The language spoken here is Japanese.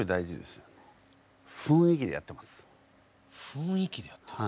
雰囲気でやってる？